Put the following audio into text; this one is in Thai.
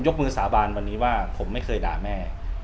มือสาบานวันนี้ว่าผมไม่เคยด่าแม่